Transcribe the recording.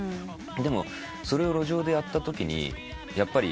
でもそれを路上でやったときにやっぱり。